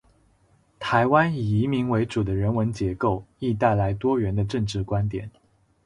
台湾以移民为主的人文结构，亦带来多元的政治观点。